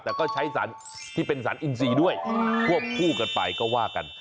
แต่ก็ใช้สารที่เป็นสารอินซีด้วยควบคู่กันไปก็ว่ากัน